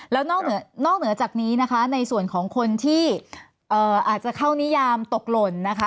แล้วนอกเหนือนอกเหนือจากนี้นะคะในส่วนของคนที่อาจจะเข้านิยามตกหล่นนะคะ